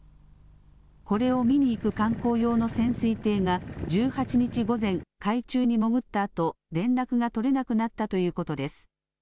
これを見に行く観光用の潜水艇が１８日午前、海中に潜ったあと連絡が取れなくなったということです。